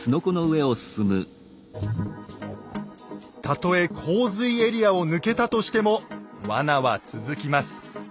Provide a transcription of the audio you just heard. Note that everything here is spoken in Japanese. たとえ洪水エリアを抜けたとしても罠は続きます。